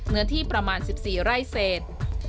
เนื้อที่ประมาณ๑๔ไร่เศษ